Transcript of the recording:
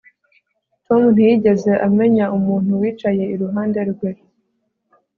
Tom ntiyigeze amenya umuntu wicaye iruhande rwe